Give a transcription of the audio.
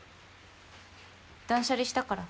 断捨離したから。